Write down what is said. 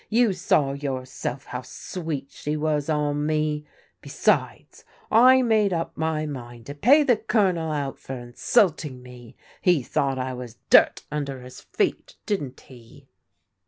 You saw yourself how sweet she was on me. Besides, I made up my mind to pay the Colonel out for insulting me. He thought I was dirt tmder his feet, didn't he?"